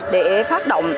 để phát động